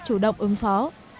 chủ động ứng phó